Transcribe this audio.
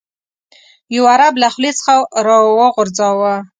یو عرب له خولې څخه راوغورځاوه.